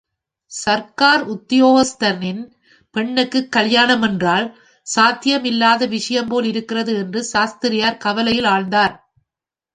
சர்க்கார் உத்தியோகஸ்தனின் பெண்ணுக்குக் கல்யாண மென்றால் சாத்தியமில்லாத விஷயம்போல் இருக்கிறது என்று சாஸ்திரியார் கவலையில் ஆழ்ந்தார்.